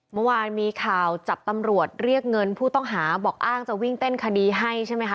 เมื่อวานมีข่าวจับตำรวจเรียกเงินผู้ต้องหาบอกอ้างจะวิ่งเต้นคดีให้ใช่ไหมคะ